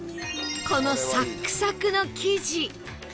このサックサクの生地